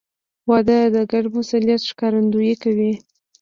• واده د ګډ مسؤلیت ښکارندویي کوي.